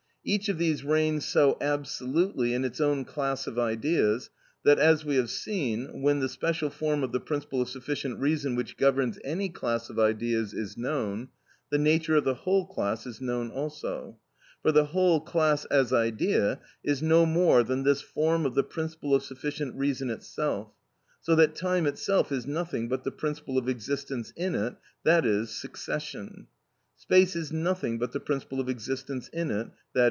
Each of these reigns so absolutely in its own class of ideas that, as we have seen, when the special form of the principle of sufficient reason which governs any class of ideas is known, the nature of the whole class is known also: for the whole class, as idea, is no more than this form of the principle of sufficient reason itself; so that time itself is nothing but the principle of existence in it, i.e., succession; space is nothing but the principle of existence in it, _i.